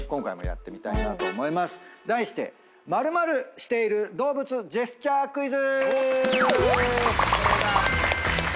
題して○○している動物ジェスチャークイズ！